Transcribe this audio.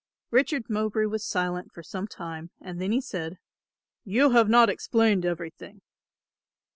Richard Mowbray was silent for some time and then he said, "You have not explained everything."